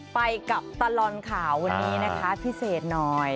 ไปกับตลอดข่าววันนี้นะคะพิเศษหน่อย